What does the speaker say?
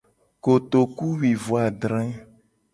Kotokuwuiadre.